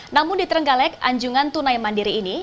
namun di trenggalek anjungan tunai mandiri ini